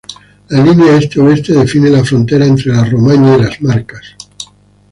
La línea este-oeste define la frontera entre la Romaña y Las Marcas.